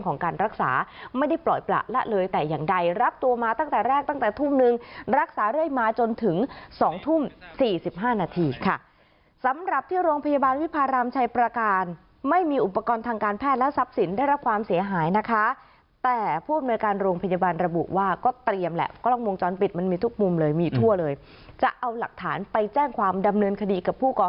ของการรักษาไม่ได้ปล่อยประละเลยแต่อย่างใดรับตัวมาตั้งแต่แรกตั้งแต่ทุ่มนึงรักษาเรื่อยมาจนถึง๒ทุ่ม๔๕นาทีค่ะสำหรับที่โรงพยาบาลวิพารามชัยประการไม่มีอุปกรณ์ทางการแพทย์และทรัพย์สินได้รับความเสียหายนะคะแต่ผู้บำเนินการโรงพยาบาลระบุว่าก็เตรียมแหละก็ลองมองจ้อนปิดมันมีทุกมุ